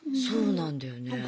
そうなんだよね。